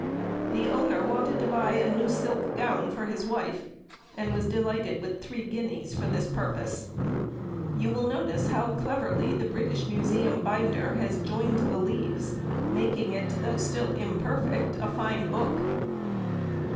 The owner wanted to buy a new silk gown for his wife, and was delighted with three guineas for this purpose. You will notice how cleverly the British Museum binder has joined the leaves, making it, although still imperfect, a fine book."